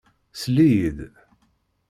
Sell-iyi-d!